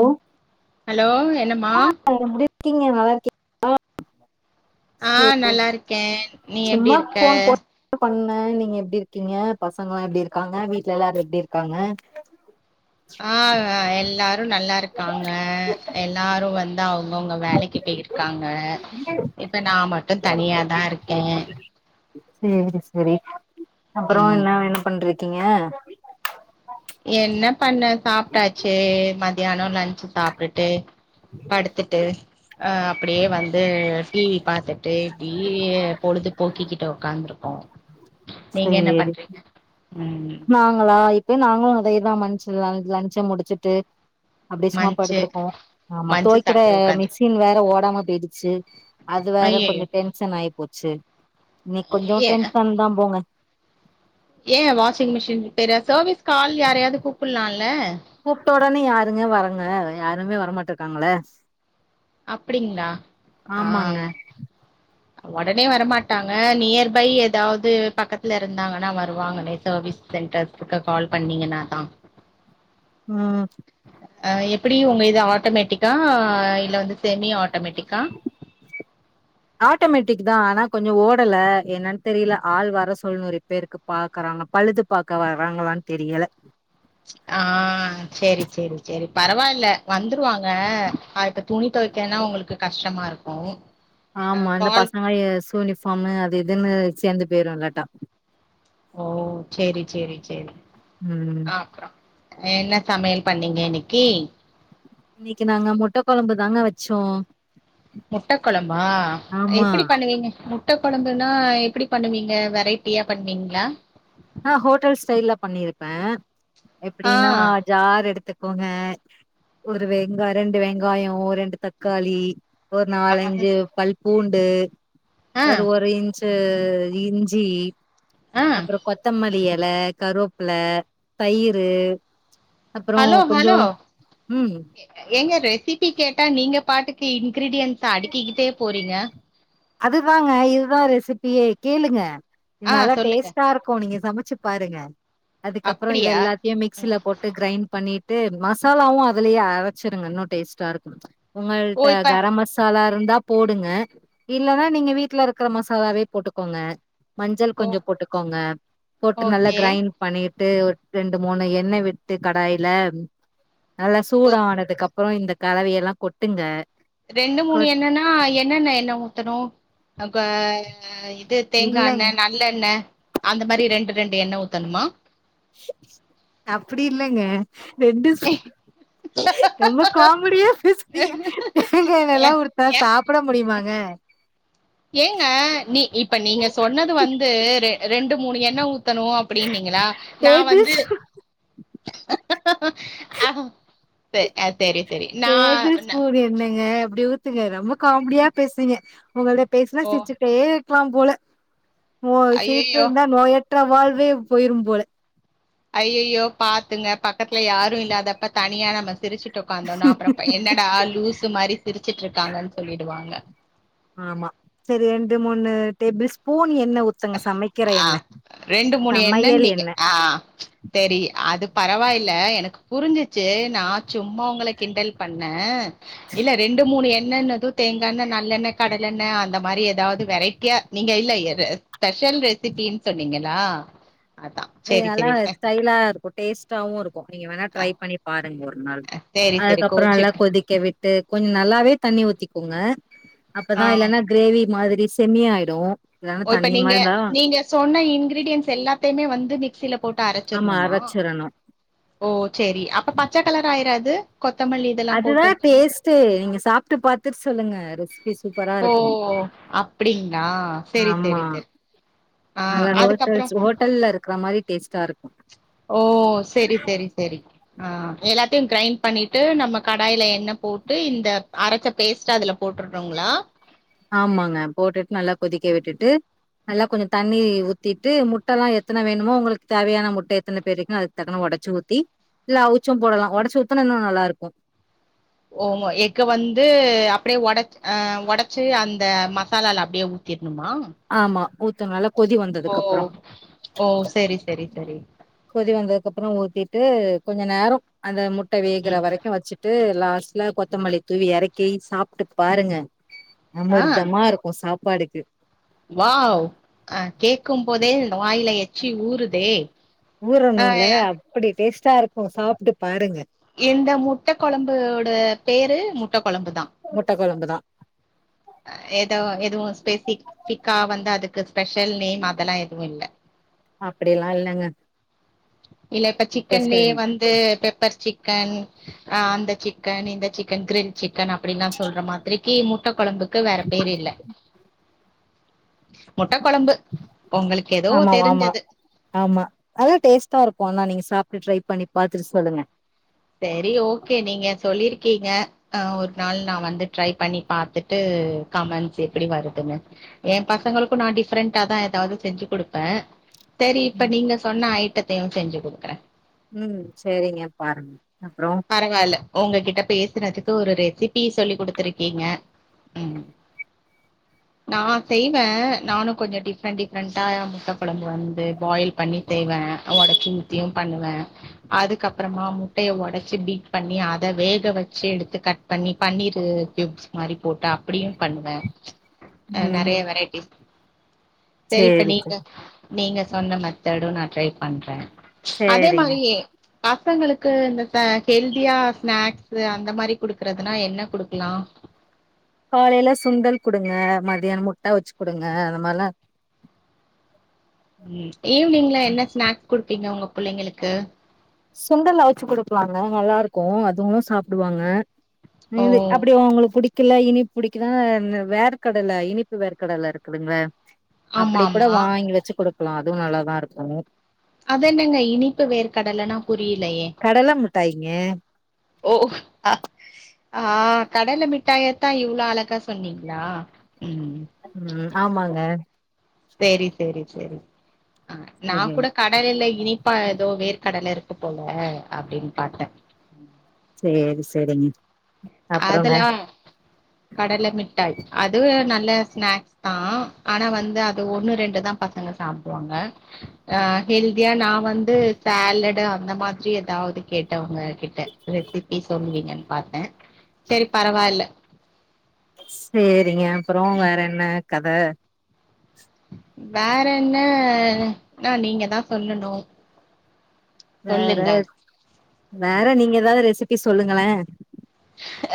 Hello hello என்னம்மா எப்டி இருக்கீங்க நல்லா இருக்கிங்களா ஆ நல்லா இருக்கேன் நீ எப்டி இருக்க ஆ நீங்க எப்டி இருக்கீங்க பசங்களா எப்டி இருக்காங்க வீட்ல எல்லாரும் எப்டி இருக்காங்க ஆ நா எல்லா ரும் நல்லா இருக்காங்க எல்லாரும் வந்து அவுங்கவுங்க வேலக்கி போயிருக்காங்க இப்ப நான் மட்டும் தனியாதான் இருக்கேன் செரி செரி அப்புறம் ம் என்ன வேல பண்றி கீங்க என்னப் பண்ண சாப்ட்டாச்சி மதியானம் லஞ்சு சாப்ட்டு ட்டு படுத்துட்டு ஆ அப்டியே வந்து ஆ டிவி பாத்துட்டு டிவியே பொழுது போக்கிக்கிட்ட உக்காந்துருக்கோம் சரி ம் நாங்களா இப்பயு நாங்களும் அதேதா மன்ச்சிரா லஞ்ச முடிச்சிட்டு அப்டே சும்மா மன்ச்சு படுதிருக்கோம் ஆமா மன்ச்சு தொய்க்கிற சாப்ட்டு உக்காந்து மிஷின் வேற ஓடாம போயிடுச்சு அது வேற ஐயயோ கொஞ்சம் டென்ஷன் ஆயி போச்சி இன்னைக் கொஞ்சம் டென்ஷன் தான் போங்க ஏன் வாஷிங் மிஷின் வேர சர்வீஸ் ஆள் யாரையாவது கூப்பலா இல்ல கூப்ட்ட ஒடனே யாருங்க வராங்க யாருமே வரமாட்டு இருக்காங்க இல்ல அப்டிங்களா ஆ ஆமாங்க ஒடனே வரமாட்டாங்க நியர்பை எதாவது பக்கத்துல இருந்தாங்கனா னா வருவாங்கலே சர்வீஸ் சென்டர் ருக்கா கால் பண்ணீங்கனா தான் ம் ஆ எப்பிடி உங்க இது ஆட்டமேட்டிக்கா இல்ல வந்து செமி ஆட் டமேட்டிக்கா அத ஆனா கொஞ்ச ஓடல என்னன்னு தெரியல ஆள் வர சொல்லணு ரிப்பேருக்கு பேருக்கு பாக்குறாங்க பழுது பாார்கக்க வர்றங்களான்னு தெரியல ஆ சேரி சேரி சேரி பரவாயில்ல வந்துருவாங்க [unintelligible] அது துணி துவைக்கன்னா உங்களுக்கு கஷ்டமா இருக்கு அ ஆமா இந்த கால் பசங்க சூனிபார்ம் அது இதுன்னு சேர்ந்து பேரும்லட்டா ஓ சேரி சேரி சேரி ம் அப்றோ என்ன சமையல் பண்ணீங்க இன்னைக்கு இன்னைக்கு நாங்க முட்ட கொழம்பு தாங்க வச்சோ முட்ட குழம்பா எப்படி பண்ணுவீங்க முட்ட குழம்புன்னா எப்படி பண்ணுவீங்க வெரைட்டியா பண்ணுவீங்களா நா ஹோட்டல் ஸ்டைல்ல பண்ணிருப்பே ஆ எப்படின்னா ஜார் எடுத்து க்கோங்க ஒரு வெங்காய ரெண்டு வெங்காய ஒரு ரெண்டு தக்காளி ஒரு நாலஞ்சு பல் பூண்டு ஆ ஒரு ஒரு இன்ச் டு இஞ்சி ஆ கெத்தமல்லி இலை கருவேப்பல தயிரு அப்புறம் ஹலோ ஹலோ கொஞ்சம் ம். எங்க ரெசிபி கேட் டே நீங்க பாட்டுக்கு இன்கிரீடியன்ஸ் அடுக்கிக்கிட்டே போறீங்க அதுதாங்க இதுதா ரெசிபியே கேளுங்க இது ஆ நல்லா சொல்லுங்க டேஸ்ட்டா இருக்கு நீங்க சமைச்சு பாருங்க அதுக்கப்புற இது அப்டியா எல்லாத்தையு மிக்சில ம் போட்டு கிரைண்ட் பண்ணிட் டு மசாலாவும் அதுலயே அரைச்சிருங்க இன்னு டேஸ்ட்டா இருக்கு ஓ உங்கள்ட்ட இப்ப கரம் மசாலா இருந்தா போடுங்க இல்லனா நீங்க வீட்டுல இருக்கற மசாலாவே போட்டுக்கோங்க மஞ்சள் ஓ கொஞ்ச போட்டுக்கோங்க போட்டு நல்லா ஓகே கிரைண்ட் பண்ணி ட்டு ரெண்டு மூணு எண்ண விட்டு கடாய்ல நல்லா சூட ஒ ஆனதுக்கப் அப்புறோ இந்த கலவையல்லா கொட்டுங்க ரெண்டு மூணு கொட் என்னன்னா என்னென்ன எண்ணவு த்தனு ஆ இது இல்லங்க. தேங்காண்ண நல்லெண்ண அந்த மாரி ரெண்டு ரெண்டு எண்ண ஊத்தணுமா அப்டி இல்லங்க ரெண்டு சு ரொம்ப காமெடியா பேசுவீங்க தேங்கா ஏ எண்ணெய்லா குடுத்தா ஏ சாப்பிட முடியுமாங்க ஏங்க நீ இப்ப நீங்க சொன்னது வந்து ரெ ரெண்டு மூணு எண்ண உத் த்தணு அப்டினீங்களா நா டேபிள் வந்து ஸ்பூ ஆ டேபிள் ந ஸ்பூன் எண்ணங்க எப்டி ஊத் துங்க ரொம்ப காமெடியா பேசுரிங்க உங்கள்ட பேசுனா ஓ சிர்ச்சிட்டே ருப்பாம் போல போ ஐயையோ சிரிப்பிருந்தா நோயற்ற வாழ் [unintelligible] போயிரு போல அய்யய்யோ பாத்துங்க பக்கத்துல யாரு இல்லாதப்ப தனியா நாம சிரிச்சி ட்டு உக்காந்தோன்னா அப்பறோ என்னடா லூசு மாரி சிரிச்சிட்டு இருக்காங்கன்னு சொல்லிடுவாங்க ன்னு டேபிள்ஸ்பூன் ஆ ரெண்டு மூணு சமையல் எண்ணன்நீங்க எண்ணெ ஆ தெரி அதுக் பரவாயில்ல எனக்கு புரிஞ்சிச்சி நா சும்மா உங்கள கிண்டல் பண்ண இல்ல ரெண்டு மூணு எண் எண்ணன்னது தேங்காண்ண நல்லெண்ண கடலெண்ண அந்த மாரி ஏதாவது வெரைட்டியா நீங்க இல்ல எத ஸ்பெஷல் ரெசிபினு சொன்னீங்களா அதா அது சரி சரி நல்லாவே அ ஸ்டைலாயிருக்கு டேஸ்ட்டாவுயிருக்கு நீங்க வேணா அ ட்ரை பண்ணி பாருங்க ஒரு அ சரி சரி அதுக்கப்பறோ நல்லா கோச்சுக் கொதிக்க விட்டு கொஞ்ச நல்லாவே தண்ணி ஊத்திக்கோங்க ஆ அப்பதா இல்லனா கிரேவி மாத்ரி ஸ்செமியாயிடும் ஓ இப்ப நீங்க நீங்க சொன்ன இன்கிரீடியன்ஸ் எல்லாத்தையுமே வந்து மிக்சில போட்டு ஆமா அரைச்சிட்ணுமா அரச்சிரணு ஓ ச்செரி அப்ப பச்ச கலர் ஆயிராது ஹே அதுதான் டேஸ்ட்டே நீங்க சாப்பிட்டு பாத் சொல்லுங்க ரெஸ்பீஸ் ஓ அப்டிங்களா சரி ஆமா சரி சரி ஆஹ் அதுக்கப்பற டேஸ்ட்டாயிருக்கு ஓ செரி செரி சரி ஆஹ் எல்லாத்தயும் கிரைண்ட் பண்ணிட்டு நம்ம கடாய்ல எண்ண போட்டு இந்த அரைச்ச பேஸ்ட்ட அதுல போட்டுட்னுங்களா ஆமாங்க போட்டுட்டு நல்லா கொதிக்க விட்டுட்டு நல்லா கொஞ்சம் தண்ணி ஊத்திட்டு முட்ட எல்லாம எத்தனை வேணுமோ உங்களுக்கு தேவையான முட்ட எத்தனை பேர் இருக்கோ அதுக்கு தகுந்த மாதிரிஉடைச்சு ஊத்தி இல்ல அவுச்சும் போடலாம் உடைச்சு ஊத்தினா இன்னு நல்லா இருக்கும் அப்படியே உடைச் உடைச்சி அந்த மசாலால அப்படியே ஊத்திடுனு ஆமா உத் நல்லப் கொதி ஓ வந்ததுக்கப்ற ஓ செரி செரி செரி கொதி வந்ததுக்கப்ற ஒரு த்திட்டு கொஞ்ச நேரம் அந்த முட் வேகுற ம் வரைக்கு வச்சிட் ட்டு லாஸ்ட்ல கொத்தமல்லி தூவி இறக்கி சாப்ட்டு பாருங்க ஆ அமிர்தம்மா இருக்கு சாப் படுக்கு வாவ் அஹ் கேக்கம்போதே வாயில் எ எச்சி ஊருதே ஊறணுல ஆய்யா அப்டி டேஸ்ட்டா இருக்கும் சாப்பிட்டு பாருங்க இந்த முட்டை குழம்புபோட பேரு முட் முட்டை குழம்பு தான் குழம்புதான் ஏதோ எதுவும் ஸ்பெசிபிக்கா வந்து அதுக்கு ஸ்பெஷல் நேம் அதெல்லாம் எதுவும் இல்ல அப்படிலாம் இல்லங்க இல்ல இப்ப சிக்கன்லயே ஸ்பெஷல்னு வந்து பெப்பர் சிக்கன் ஆஹ் அந்த சிக்கன் இந்த சிக்கன் கிரில் சிக்கன் அப்படின்ல்லாம் சொல்ற மாதிரிக்கு முட்டை குழம்பு அதுக்கு வேற பேரு இல்ல முட்ட கொழம்பு உங்களுக்கு ஏதோ ஆமாவ் ஆமா தெரிஞ்சது ஆமா அதுவு டேஸ்ட்டா இரு க்கு ஆனா நீங்க சாப்ட்டு ட்ரை பண்ணி பாத்துட்டு சொல்லுங்க செரி ஓகே நீங்க சொல்லிருக்கீங்க ஆ ஒரு நாள் நா வந்து ட்ரை பண்ணி பாத்துட்டு கமென்ஸ் எப்புடி வருதுன்னு எ பசங்களுக்கு நா டிஃப்ரெண்ட்டா தா எதாவ்து செஞ்சு குடுப்பே செரி இப்ப நீங்க சொன்ன அயிட்ட த்தையு செஞ்சு குடுக்குறே ம் சேரிங்க பாருங்க அப்றோ பரவால்ல ஒங்க கிட்ட பேசுனதுக்கு ஒரு ரெசிபி சொல்லி குடுத்துருக்கீங்க நா செய்வே நானு கொஞ்சொ டிஃப்ரெண்ட் டிஃப்ரெண்டா முட்ட கொழம்பு வந்து பாயில் பண்ணி செய்வே ஒடச்சி ஊத்தியு பண்ணுவே அதுக்கப்புறமா முட்டைய ஒட ச்சு பீட் பண்ணி அத வேக வச்சு எடுத்து கட் பண்ணி பன்னீரு கியூப்ஸ் மாரி போட்டு அப்புடியு பண்ணுவே அ நறைய ம் வெரைட்டி செரி இப்ப சேரி சேரி நீங்க நீங்க சொன்ன மெத்தடு நா ட்ரை பண்றே அதே சேரிங்க மாரியே பசங்களுக்கு இந்த இப்ப ஹெல்தியா ஸ்நாக்ஸு அந்த மாரி குடுக்குறதுனா என்ன குடுக்லா காலைல சுண்டல் குடுங்க மதியானம் முட்ட அவிச்சு குடுங்க அந்த மார்லா ம் ஈவ்னிங்ல என்ன ஸ்நாக்ஸ் குடுப்பீங்க ஒங்க புள்ளைங்களுக்கு சுண்டல் அவிச்சு குடுக்லாங்க நல்லாருக்கு அதுவு சாப்புடுவாங்க ஓ இந்து அப்புடி ஒங்களுக் புடி க்கல்ல இனிப் புடிக்குனா வேர்க்கடல இனிப்பு வேர்க்கடல இருக்குதுங்ல ஆமா அப்புடி கூட ஆமா வாங்கி வச்சு குடுக் லா அதுவு நல்லாதாருக்கு அது என்னங்க இனிப்பு வேர் கடலனா புரியலயே கடல மிட்டாய்ங்க ஓ அ ஆ கடல மிட்டாய தா இவ்ளோ அழகா சொன்னீங்ளா ம் ஆமாங்க செரி செரி செரி ஆ நா ம் கூட கடல்ல இனிபபா ஏதோ வேர் கடல இருகு க்குபோல அப்டினு பாத்தே [inaudible] அப்றோங்க அதெலா கடல மிட் ட்டாய் அது நல்ல ஸ்நாக்ஸ் தா ஆனா வந்து அது ஒன்னு ரெண்டு தா பசங்க சாப்டுவாங்க ஆ ஹெல்தியா நா வந்து சேலடு அந்த மாத்ரி ஏதாது கேட்டவங்க கிட்ட ரெசிபி சொல்லுவீங்கனு பாத்தே சேரி பரவாயில்ல செரிங்க அப்றோ வேற என்ன கத வேற என்ன னா நீங்க தா சொல்லணு வேற சொல்லுங்க வேற நீங்க ஏதாது ரெசிபி ப்பி சொல்லுங்களே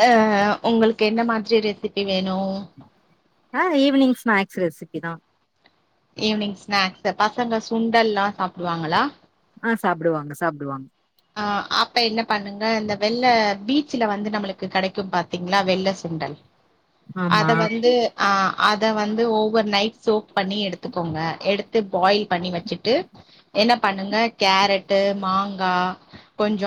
அ உங்களுகு என்ன மாத்ரி ரெசிபி வேணு ஆ ஈவினிங் ஸ்நாக்ஸ் ரெசிபி தா ஈவினிங் ஸ்நாக்ஸ் பசங்க சுண்டல்லா சாப்டுவாங்களா ஆ சாப்டுவாங்க சாப்டுவாங்க அ அப்ப என்ன பண்ணுங்க இந்த வெள்ள பீச்ல வந்து நம்மளுகு கிடைக்கு பாதீங்களா வெள்ள சுண்டல் ஆமா அத வந்து ஆ அத வந்து ஓவர் நைட் சோக் பண்ணி எடுதுகோங்க எடுது பாயில் பண்ணி வச்சுட்டு என்ன பண்ணுக கேரட்டு மாங்கா கொஞ்ச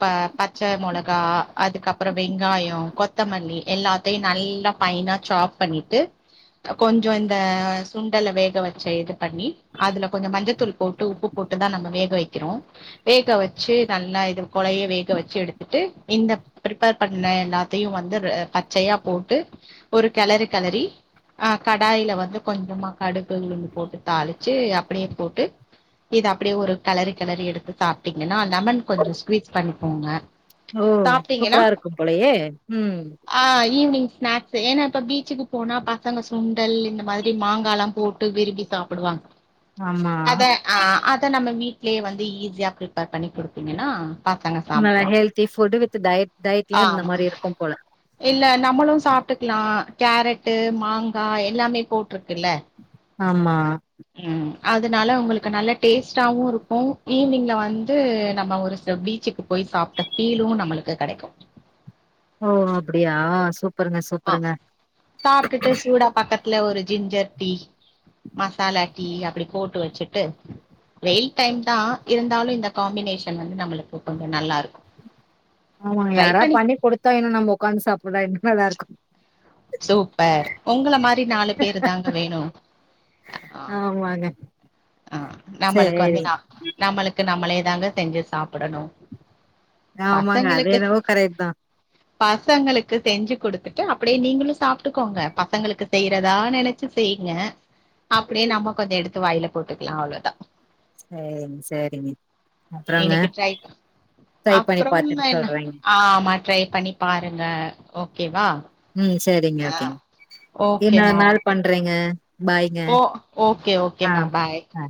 ப பச்ச மொளகா அதுகப்பறோ வெங்காயோ கொத்தமல்லி எல்லாதையு நல்லா ஃபைனா சாப் பண்ணிடு கொஞ்ச இந்த சுண்டல வேக வச்ச இது பண்ணி அதுல கொஞ்ச மஞ்சதூள் போடு உப்பு போடுதா நம்ம வேக வைக்கிறோ வேக வச் ச்சி நல்லா இது கொலய வேக வச்சு எடுத்துட்டு இந்த ப்ரிபேர் பண்ண எல்லாதயு வந்து பச்சையா போட்டு ஒரு கெளறுகெளறி ஆ கடாயில வந்து கொஞ்சமா கடுகு உளுந்து போட்டு தாளிச்சு அப்டியே போட்டு இத அப்டியே ஒரு கெளறி கெளறி எடுத்து சாப்டிங் ஏனா லெமன் கொஞ்ச ஸ்க்வீஸ் பண்ணிகோங்க ஓ சூப்ரா இருக்கு போலயே உ ஆ ஈவினிங் ஸ்நாக்ஸ் ஏனா இப்ப பீச்சுக்கு போனா பசங்க சுண்டல் இந்த மாத்ரி மாங்காலா போட்டு விரும்பி சாப்பிடுவாங்க ஆமா அத ஆ அத நம்ம வீட் ட்லே வந்து ஈஸியா [unintelligible] ப்ரிப்பேர் பண்ணி குடுத்தீங்கனா நல்ல ஹல்தி ஃபுட் வி டயட் டயட்லயு இருந்த ஆமா மாரி இருக்கும் போல இல்ல நம்மளு சாப்டுகலா கேரட்டு மாங்கா எல்லாமே போட்ருகுல ஆமா உ அதனால உங்களுக்கு நல்ல டேஸ்டாவு இருக்கு ஈவினிங்ல வந்து நம்ம ஒரு சில பீச்சுக்கு போய் சாப்பிட்ட ஃபீலு நம்மளுக்கு கெடைக்கு ஓ அப்படியா சூப் ஆ சாப்பிட்டுட்டு சூடா பாக்கட் த்துல ஒரு ஜிஞ்சர் டீ மசாலா டீ அப்படி போட்டு வச்சுட்டு வெயில் டைம் தா இருந்தாலு இந்த காம்பினேஷன் வந்து நம்மளுக்கு கொஞ்ச நல்லா இருக்கு ஆமா யாரா பண்ணி கொடுத்தா இன்னு நம்ம உட்காந்து சாப்பிடா என்ன நல்லா இருக்கு சூப்பர் உங்கள மாரி நாலு பேரு தாங்க வேணு ஆ ஆமாங்க ஆ நம்மளுக்கு வந்து சேரி நா நம்மளுக்கு நம்மளே தாங்க செஞ்சு சாப்பிடணு ஆமாங்க பசங்களுக்கு அதேனவோ கரட்டூ தா பசங்களுக்கு செஞ்சு கொடுத்துட்டு அப்படியே நீங்களு சாப்பிட்டுக்கோங்க பசங்களுக்கு செய்யறதா நினைச்சு செய்யுங்க அப்படியே நம்ம கொஞ்ச எடுத்து வாயில போட்டுக்கலா அவ்வளோதா சேரிங்க சேரிங்க அப்புறங்க இன்னைக்கு ட்ரை ட்ரை பண்ணி பார்த்துட்டு சொல்றீங்க டரை பண்ணி பாருங்க ஓகேவா ம் சேரிங்க ஆ ஓகேங்க இனொரு ஓகேமா நாள் ஓகே. பண்றேங்க பாய்ங்க ஓ ஓகே ஆ ஓகேமா பாய் ஆ